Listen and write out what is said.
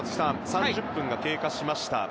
３０分が経過しました。